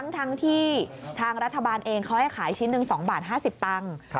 ทั้งที่ทางรัฐบาลเองเขาให้ขายชิ้นหนึ่ง๒บาท๕๐ตังค์